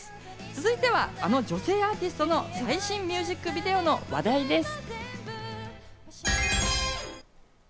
続いてはあの女性アーティストの最新ミュージックビデオの話題です。